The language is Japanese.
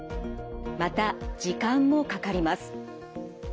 また時間もかかります。